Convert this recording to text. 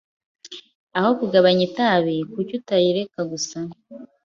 Aho kugabanya itabi, kuki utayireka gusa?